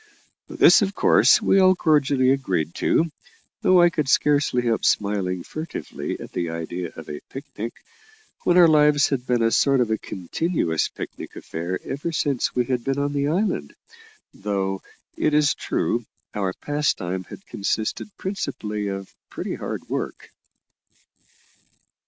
This, of course, we all cordially agreed to, though I could scarcely help smiling furtively at the idea of a picnic, when our lives had been a sort of continuous picnic affair ever since we had been on the island, though, it is true, our pastime had consisted principally of pretty hard work.